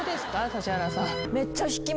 指原さん。